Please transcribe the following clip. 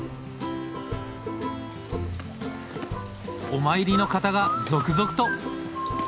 お参りの方が続々と。